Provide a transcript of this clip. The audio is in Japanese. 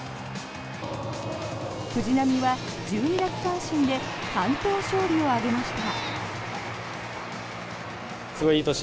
藤浪は１２奪三振で完投勝利を挙げました。